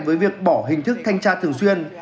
với việc bỏ hình thức thanh tra thường xuyên